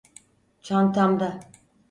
Çantamda.